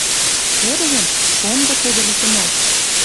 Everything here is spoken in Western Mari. Тӧржӹм — шонгы тӹдӹ литӹмӓш.